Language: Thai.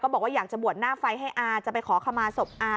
บอกว่าอยากจะบวชหน้าไฟให้อาจะไปขอขมาศพอา